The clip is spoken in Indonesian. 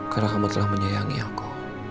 karena kamu telah menyayangi aku